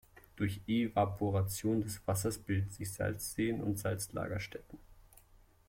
Durch Evaporation des Wassers bilden sich Salzseen und Salzlagerstätten.